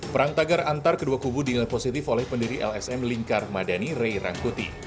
perang tagar antar kedua kubu dinilai positif oleh pendiri lsm lingkar madani ray rangkuti